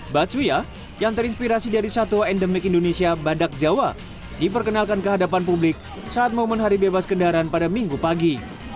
bacuya yang terinspirasi dari satwa endemik indonesia badak jawa diperkenalkan ke hadapan publik saat momen hari bebas kendaraan pada minggu pagi